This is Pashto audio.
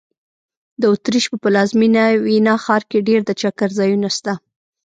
د اوترېش په پلازمېنه ویانا ښار کې ډېر د چکر ځایونه سته.